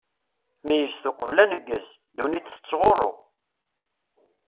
Meyyzet uqbel aneggez, ddunit tettɣuṛṛu!